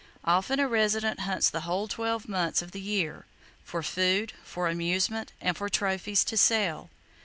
Often a resident hunts the whole twelve months of the year,—for food, for amusement, and for trophies to sell.